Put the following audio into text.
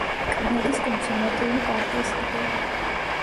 კანადის კონსერვატიული პარტიის ლიდერი.